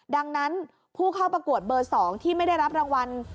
ดังนั้นผู้เข้าประกวดเบอร์๒ที่ไม่ได้รับรางวัล